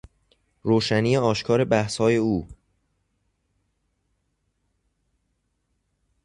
روشنی آشکار بحثهای او